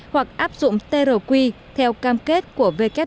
hoặc áp dụng trqi theo cam kết của who